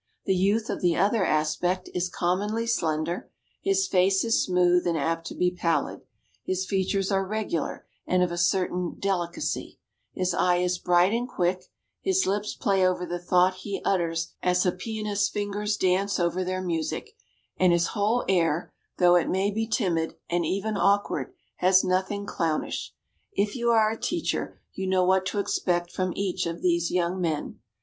The youth of the other aspect is commonly slender, his face is smooth, and apt to be pallid, his features are regular and of a certain delicacy, his eye is bright and quick, his lips play over the thought he utters as a pianist's fingers dance over their music, and his whole air, though it may be timid, and even awkward, has nothing clownish. If you are a teacher, you know what to expect from each of these young men.